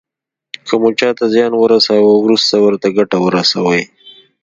که مو چاته زیان ورساوه وروسته ورته ګټه ورسوئ.